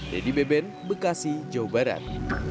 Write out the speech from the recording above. dedy beben bekasi jawa barat